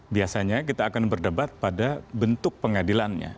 biasanya kita akan berdebat pada bentuk pengadilannya